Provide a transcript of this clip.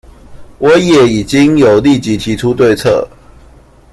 我也已經有立即提出對策